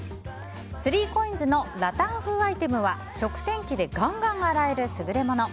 ３ＣＯＩＮＳのラタン風アイテムは食洗機でガンガン洗える優れもの。